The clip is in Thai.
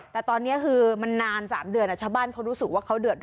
แต่ตอนนี้คือมันนาน๓เดือนชาวบ้านเขารู้สึกว่าเขาเดือดร